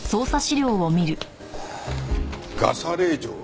ガサ令状は？